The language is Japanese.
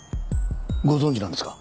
ご存じなんですか？